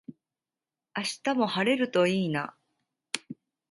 明日も晴れるといいな。